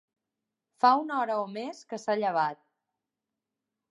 Fa una hora o més que s'ha llevat.